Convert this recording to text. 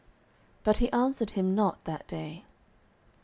But he answered him not that day.